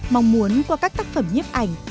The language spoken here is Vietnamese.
mong muốn qua các tác phẩm nhấp ảnh